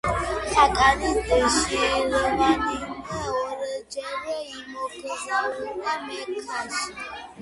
ხაკანი შირვანიმ ორჯერ იმოგზაურა მექაში.